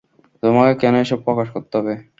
তোমাকে কেন এসব প্রকাশ করতে হবে?